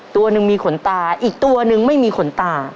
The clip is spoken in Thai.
ตัวหนึ่งมีขนตาอีกตัวหนึ่งไม่มีขนตา